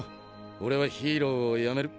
俺はヒーローをやめる。